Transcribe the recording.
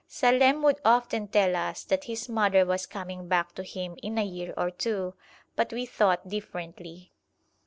Salem would often tell us that his mother was coming back to him in a year or two, but we thought differently.